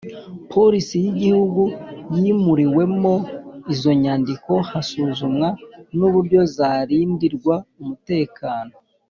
Polisi y Igihugu yimuriwemo izo nyandiko hasuzumwa n uburyo zarindirwa umutekano